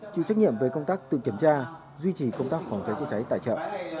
chịu trách nhiệm về công tác tự kiểm tra duy trì công tác phòng cháy chữa cháy tại chợ